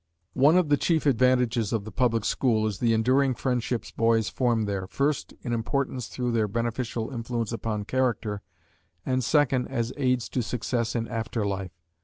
One of the chief advantages of the public school is the enduring friendships boys form there, first in importance through their beneficial influence upon character, and, second, as aids to success in after life.